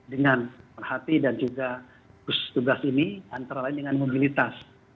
dengan perhati dan juga tugas ini antara lain dengan mobilitas